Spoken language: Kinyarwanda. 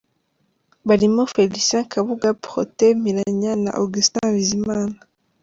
Barimo Félicien Kabuga, Protais Mpiranya na Augustin Bizimana.